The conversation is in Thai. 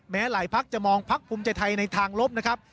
แม้หลายพักจะมองพักภูมิใจไทยในทางลบนะครับ